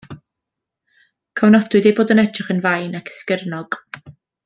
Cofnodwyd ei bod yn edrych yn fain ac esgyrnog.